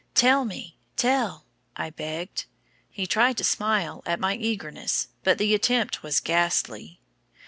"Tell me tell," I begged. He tried to smile at my eagerness, but the attempt was ghastly.